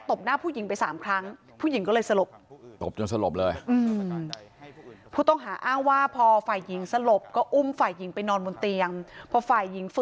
ตบหน้าผู้หญิงไป๓ครั้ง